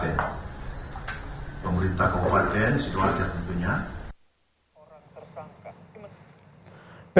pemerintah kabupaten sidoarjo tentunya